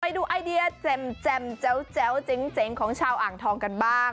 ไปดูไอเดียแจ่มแจ๋วเจ๋งของชาวอ่างทองกันบ้าง